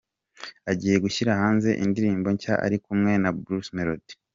Agiye gushyira hanze indirimbo nshya ari kumwe na Bruce Melody.